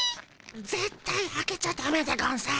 絶対開けちゃダメでゴンス。